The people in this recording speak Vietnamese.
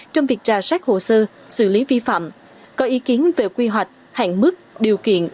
trong việc trà sát hồ sơ xử lý vi phạm có ý kiến về quy hoạch hạn mức điều kiện